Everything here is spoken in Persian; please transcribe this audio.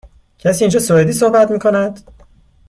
کسی اینجا سوئدی صحبت می کند؟